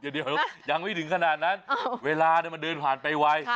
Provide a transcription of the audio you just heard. เดี๋ยวยังไม่ถึงขนาดนั้นเวลามันเดินผ่านไปไว